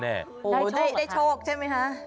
ได้โชคใช่ไหมคะ